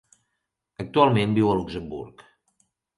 Actualment viu a Luxemburg.